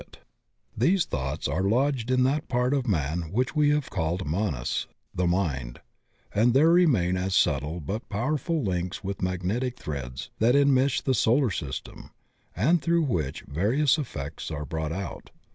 92 THB OCEAN OF THEOSOPHY These thoughts are lodged in that part of man which we have called Manas — ^the mind, and there remain as subtle but powerful links with magnetic threads that enmesh the solar system, and throu^ which vari ous effects are brought out.